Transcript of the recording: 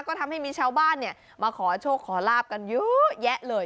ก็ทำให้มีชาวบ้านมาขอโชคขอลาบกันเยอะแยะเลย